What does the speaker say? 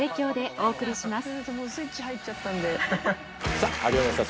さぁ始まりました